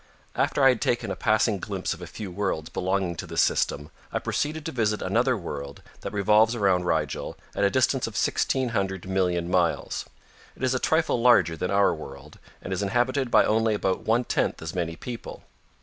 After I had taken a passing glimpse of a few worlds belonging to this system, I proceeded to visit another world that revolves around Rigel at a distance of sixteen hundred million miles. It is a trifle larger than our world and is inhabited by only about one tenth as many people.